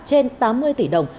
trên tám mươi tỷ đồng